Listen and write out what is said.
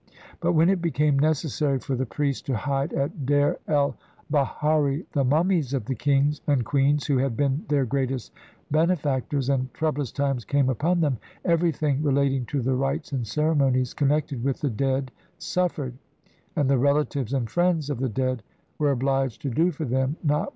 But when it became necessary for the priests to hide at Der el bahari the mummies of the kings and queens who had been their greatest benefactors, and troublous times came upon them, everything re lating to the rites and ceremonies connected with the dead suffered, and the relatives and friends of the dead were obliged to do for them not what they Plate XT.